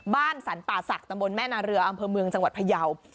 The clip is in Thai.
บ้านสรรป่าศักดิตำบลแม่นาเรืออำเภอเมืองจังหวัดพยาว